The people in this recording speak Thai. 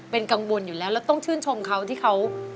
เป็นกังวลอยู่แล้วแล้วต้องชื่นชมเขาที่เขา